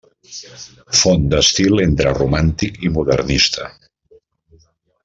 Font d'estil entre romàntic i modernista.